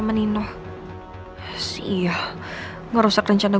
perasaan aku gak enak deh